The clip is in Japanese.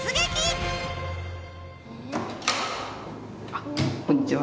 早速こんにちは。